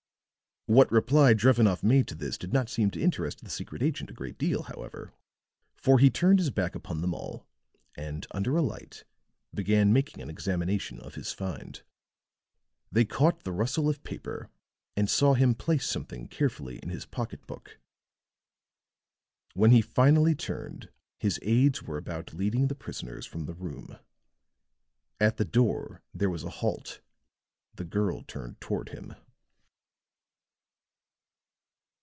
What reply Drevenoff made to this did not seem to interest the secret agent a great deal, however; for he turned his back upon them all, and, under a light, began making an examination of his find. They caught the rustle of paper, and saw him place something carefully in his pocketbook. When he finally turned, his aides were about leading the prisoners from the room. At the door there was a halt; the girl turned toward him.